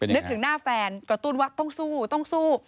นึกถึงหน้าแฟนกระตุ้นว่าต้องสู้ต้องสู้